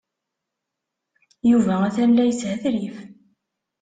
Yuba atan la yeshetrif.